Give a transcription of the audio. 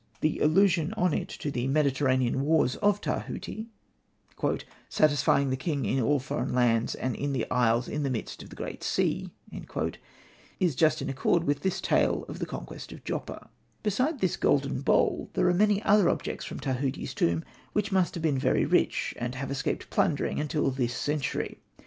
The allusion on it to the Mediter Hosted by Google 12 THE TAKING OF JOPPA ranean wars of Tahuti, '' satisfying the king in all foreign lands and in the isles in the midst of the great sea," is just in accord with this tale of the conquest of Joppa. Beside this golden bowl there are many other objects from Tahuti's tomb which must have been very rich, and have escaped plundering until this century.